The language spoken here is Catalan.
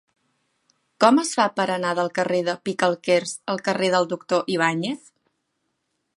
Com es fa per anar del carrer de Picalquers al carrer del Doctor Ibáñez?